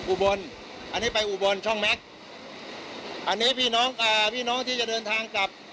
อุบลอันนี้ไปอุบลช่องแม็กซ์อันนี้พี่น้องอ่าพี่น้องที่จะเดินทางกลับ